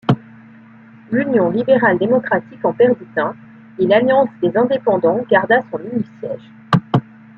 L'Union libérale-démocratique en perdit un et l'Alliance des Indépendants garda son unique siège.